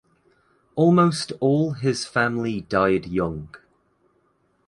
Almost all his family died young.